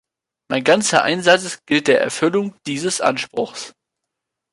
Mein ganzer Einsatz gilt der Erfüllung dieses Anspruchs.